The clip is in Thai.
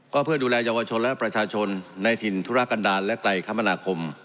ก็เพื่อดูแลเยาวชนและประชาชนในถิ่นธุรกันดาลและไกลคมนาคม